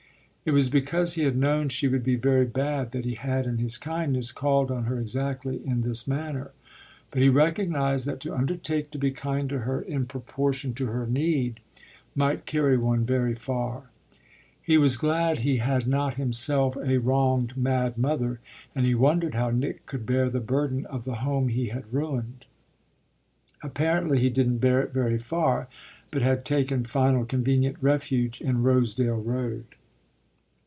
It was because he had known she would be very bad that he had, in his kindness, called on her exactly in this manner; but he recognised that to undertake to be kind to her in proportion to her need might carry one very far. He was glad he had not himself a wronged mad mother, and he wondered how Nick could bear the burden of the home he had ruined. Apparently he didn't bear it very far, but had taken final, convenient refuge in Rosedale Road.